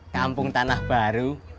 kampung tanah baru